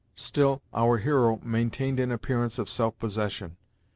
Still, our hero maintained an appearance of self possession.